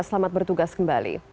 selamat bertugas kembali